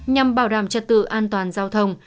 nhằm bảo đảm trật tự an toàn giao thông